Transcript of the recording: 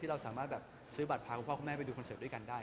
เราสามารถแบบซื้อบัตรพาคุณพ่อคุณแม่ไปดูคอนเสิร์ตด้วยกันได้